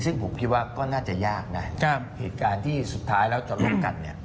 ซึ่งผมคิดว่าก็น่าจะยากนะเหตุการณ์ที่สุดท้ายแล้วจะร่วมกันเนี่ย